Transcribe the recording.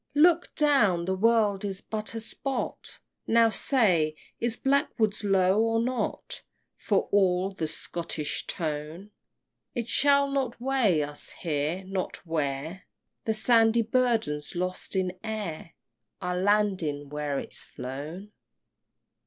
Look down! the world is but a spot. Now say Is Blackwood's low or not, For all the Scottish tone? It shall not weigh us here not where The sandy burden's lost in air Our lading where is't flown?